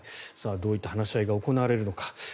どういった話し合いが行われるのか。